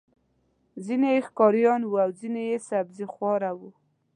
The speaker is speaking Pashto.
ځینې یې ښکاریان وو او ځینې یې سبزيخواره وو.